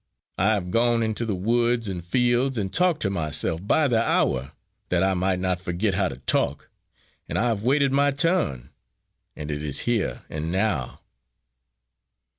I have gone into the woods and fields and talked to myself by the hour, that I might not forget how to talk and I have waited my turn, and it is here and now!"